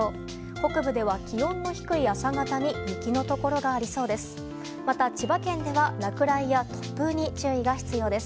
北部では、気温の低い朝方に雪のところがありそうです。